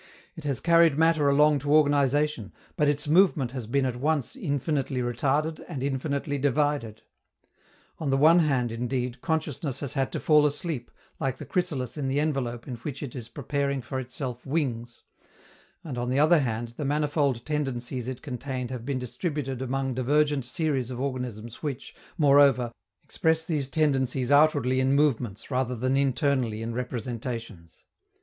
It has carried matter along to organization, but its movement has been at once infinitely retarded and infinitely divided. On the one hand, indeed, consciousness has had to fall asleep, like the chrysalis in the envelope in which it is preparing for itself wings; and, on the other hand, the manifold tendencies it contained have been distributed among divergent series of organisms which, moreover, express these tendencies outwardly in movements rather than internally in representations.